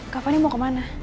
kak fani mau kemana